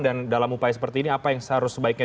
dan dalam upaya seperti ini apa yang harus sebaiknya